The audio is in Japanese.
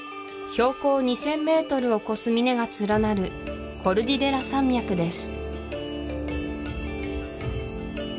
標高２０００ｍを超す峰が連なるコルディレラ山脈です